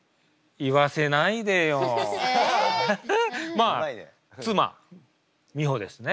まあ妻美穂ですね。